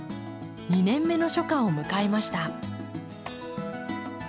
２年目の初夏を迎えました。